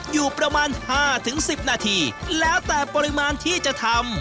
อยู่ประมาณ๕๑๐นาทีแล้วแต่ปริมาณที่จะทำ